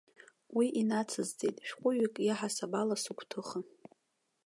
Уи инацысҵеит, шәҟәыҩҩык иаҳасаб ала сыгәҭыха.